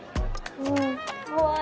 うんかわいい。